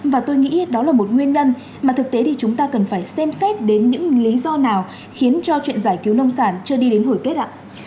và tôi nghĩ đó là một nguyên nhân mà thực tế thì chúng ta cần phải xem xét đến những lý do nào khiến cho chuyện giải cứu nông sản chưa đi đến hồi kết ạ